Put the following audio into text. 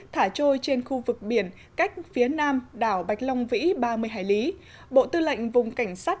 thả trôi trên khu vực biển cách phía nam đảo bạch long vĩ ba mươi hải lý bộ tư lệnh vùng cảnh sát